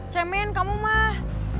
cemain kamu mah